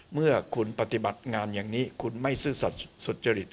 เมื่อคุณปฏิบัติงานอย่างนี้คุณไม่ซื่อสัตว์สุจริต